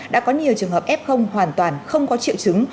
đã có nhiều trường hợp f hoàn toàn không có triệu chứng